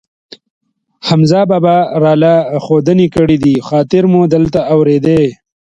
حمزه بابا را له ښودانې کړی دي، خاطر مونږ دلته اورېدی.